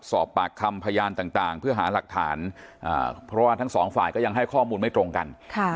อ่ะสอบปากคำพัยานต่างต่างเพื่อหารักฐานพอทั้งสองฝ่ายก็ยังให้ข้อมูลไม่ตรงกัน